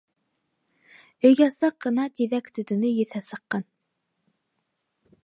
Өйгә саҡ ҡына тиҙәк төтөнө еҫе сыҡҡан.